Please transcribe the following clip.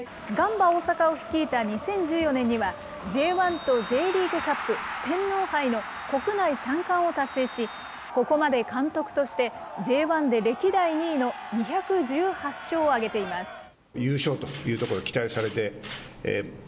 ガンバ大阪を率いた２０１４年には、Ｊ１とＪリーグカップ、天皇杯の国内３冠を達成し、ここまで監督として、Ｊ１で歴代２位の２１８勝を挙げています。